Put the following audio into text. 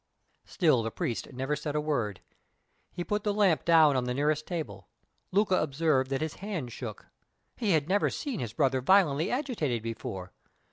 Still the priest never said a word. He put the lamp down on the nearest table. Luca observed that his hand shook. He had never seen his brother violently agitated before.